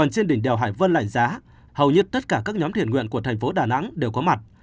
trên đỉnh đèo hải vân lạnh giá hầu như tất cả các nhóm thiền nguyện của tp đà nẵng đều có mặt